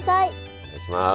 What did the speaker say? お願いします。